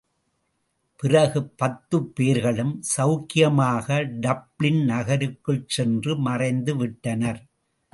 பிறகு பத்துப் பேர்களும் செளக்கியமாக டப்ளின் நகருக்குள் சென்று மறைந்துவிட்டனர்.